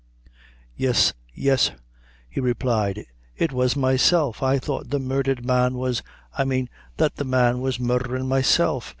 "Yes, yesr" he replied; "it was myself. I thought the murdhered man was I mean, that the man was murdherin' myself."